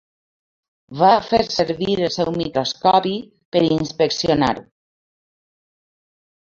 Va fer servir el seu microscopi per inspeccionar-ho.